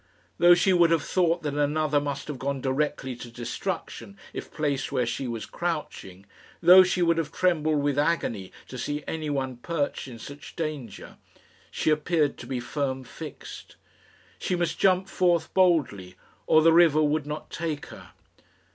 Though she would have thought that another must have gone directly to destruction if placed where she was crouching though she would have trembled with agony to see anyone perched in such danger she appeared to be firm fixed. She must jump forth boldly, or the river would not take her.